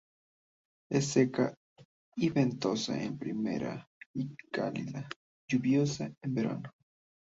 Es seca y ventosa en primavera y cálida y lluviosa en verano.